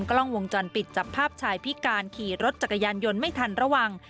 กล้องวงจรปิดจับภาพชายพิการขี่รถจักรยานยนต์ไม่ทันระวัง